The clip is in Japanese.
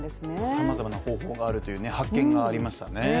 さまざまな方法があるという発見がありましたね。